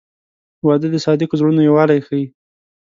• واده د صادقو زړونو یووالی ښیي.